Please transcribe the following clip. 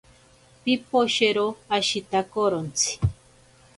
Piposhero ashitakorontsi.